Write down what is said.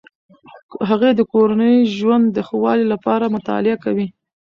هغې د کورني ژوند د ښه والي لپاره مطالعه کوي.